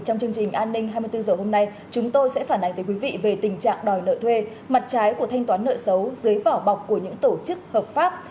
trong chương trình an ninh hai mươi bốn h hôm nay chúng tôi sẽ phản ánh tới quý vị về tình trạng đòi nợ thuê mặt trái của thanh toán nợ xấu dưới vỏ bọc của những tổ chức hợp pháp